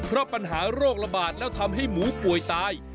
เพราะปัญหาโรคระบาดแล้วทำให้หมูป่วยตาย